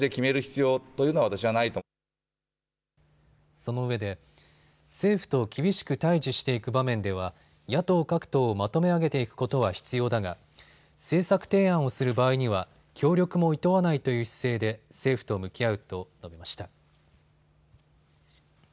そのうえで政府と厳しく対じしていく場面では野党各党をまとめ上げていくことは必要だが政策提案をする場合には協力もいとわないという姿勢で政府と向き合うと述べました。